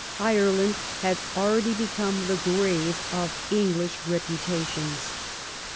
Ireland had already become the grave of English reputations.